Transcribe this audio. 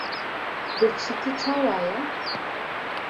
birçîtî çawa ye?